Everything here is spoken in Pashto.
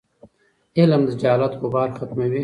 علم د جهالت غبار ختموي.